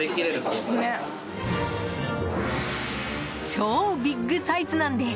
超ビッグサイズなんです。